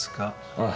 ああ。